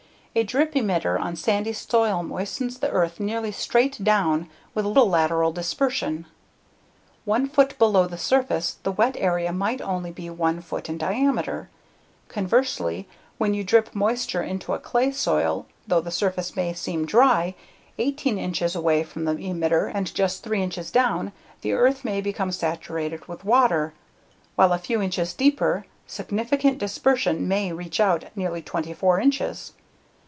_ A drip emitter on sandy soil moistens the earth nearly straight down with little lateral dispersion; 1 foot below the surface the wet area might only be 1 foot in diameter. Conversely, when you drip moisture into a clay soil, though the surface may seem dry, 18 inches away from the emitter and just 3 inches down the earth may become saturated with water, while a few inches deeper, significant dispersion may reach out nearly 24 inches.